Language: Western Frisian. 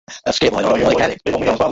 It skip leit oan 't keatling.